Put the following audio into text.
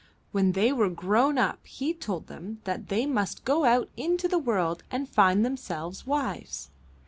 When they were grown up he told them that they must go out into the world and find themselves wives.